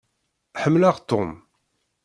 Ḥemmleɣ Tom.